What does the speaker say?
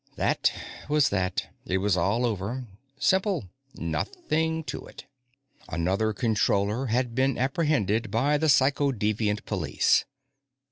That was that. It was all over. Simple. Nothing to it. Another Controller had been apprehended by the Psychodeviant Police.